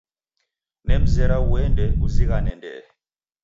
Nemreza uende uzighane ndee.